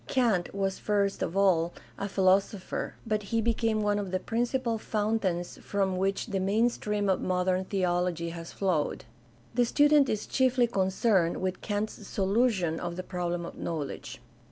Kant was first of all a >philosopher, but he became one of the principal fountains from which the main stream of modern theology has flowed. The student is chiefly concerned with Kant's solution of the problem of knowledge.